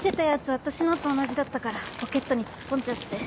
私のと同じだったからポケットに突っ込んじゃって。